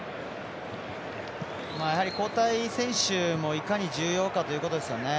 交代選手もいかに重要かということですよね。